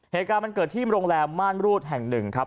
เหตุการณ์มันเกิดที่โรงแรมม่านรูดแห่งหนึ่งครับ